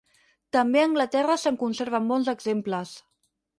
També a Anglaterra se'n conserven bons exemples.